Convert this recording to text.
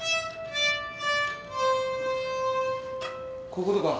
こういうことか。